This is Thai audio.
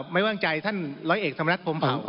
ไม่ว่างใจท่านร้อยเอกสำนักพรมเผ่า